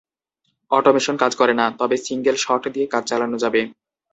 Automation কাজ করে না, তবে সিংগেল শট দিয়ে কাজ চালানো যাবে।